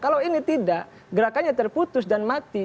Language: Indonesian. kalau ini tidak gerakannya terputus dan mati